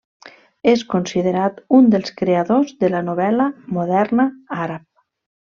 És considerat un dels creadors de la novel·la moderna àrab.